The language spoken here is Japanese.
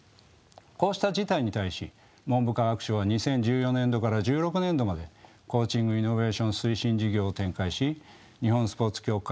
こうした事態に対し文部科学省は２０１４年度から１６年度まで「コーチング・イノベーション推進事業」を展開し日本スポーツ協会